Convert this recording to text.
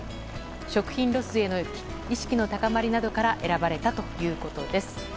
食品ロスへの意識の高まりなどから選ばれたということです。